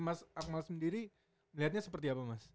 mas akmal sendiri melihatnya seperti apa mas